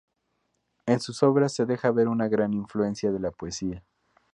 En sus obras se deja ver una gran influencia de la poesía.